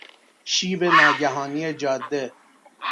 شیب ناگهانی جاده